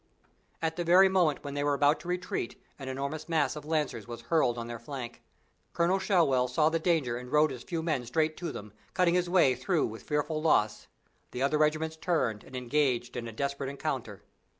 At the very moment when they were about to retreat an enormous mass of Lancers was hurled on their flank. Colonel Shewell saw the danger and rode his few men straight to them, cutting his way through with fearful loss. The other regiments turned and engaged in a desperate encounter.